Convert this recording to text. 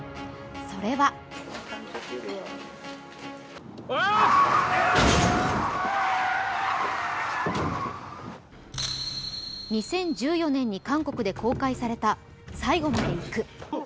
それは２０１４年に韓国で公開された「最後まで行く」。